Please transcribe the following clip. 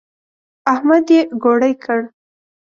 احمد يې ګوړۍ کړ.